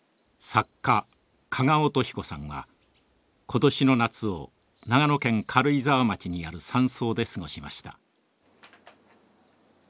作家加賀乙彦さんは今年の夏を長野県軽井沢町にある山荘で過ごしました。